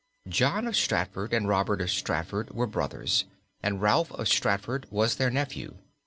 John of Stratford and Robert of Stratford were brothers, and Ralph of Stratford was their nephew.